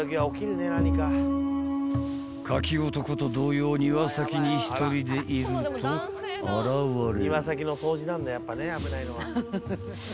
［柿男と同様庭先に１人でいると現れる］